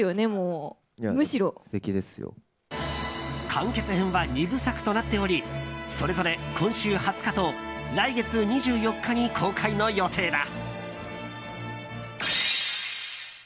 完結編は２部作となっておりそれぞれ、今週２０日と来月２４日に公開の予定だ。